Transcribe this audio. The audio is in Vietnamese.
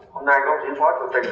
hôm nay công ty phó chủ tịch